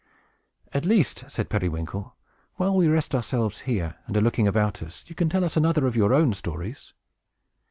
"At least," said Periwinkle, "while we rest ourselves here, and are looking about us, you can tell us another of your own stories."